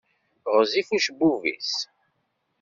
Ɣezzif ucebbub-is.